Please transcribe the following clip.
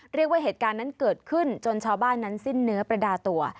เหตุการณ์นั้นเกิดขึ้นจนชาวบ้านนั้นสิ้นเนื้อประดาตัว